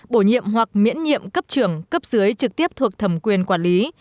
bổ nhiệm hoặc miễn nhiệm cấp trưởng cấp dưới trực tiếp thuộc thẩm quyền quản lý